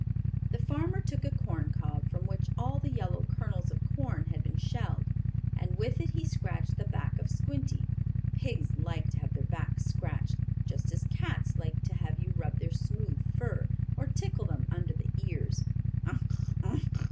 The farmer took a corn cob, from which all the yellow kernels of corn had been shelled, and with it he scratched the back of Squinty. Pigs like to have their backs scratched, just as cats like to have you rub their smooth fur, or tickle them under the ears. "Ugh! Ugh!"